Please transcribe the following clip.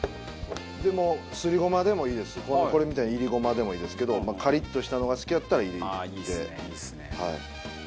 擦りごまでもいいですしこれみたいに炒りごまでもいいですけどカリッとしたのが好きやったら炒りで。